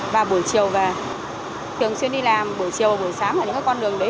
và buổi chiều và thường xuyên đi làm buổi chiều và buổi sáng là những con đường đấy